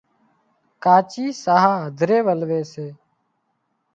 ڪاچي ساهََه هڌرِي ولوي سي